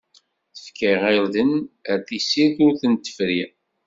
Tefka irden ar tessirt ur ten-tefri.